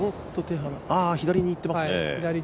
ああ、左に行っていますね。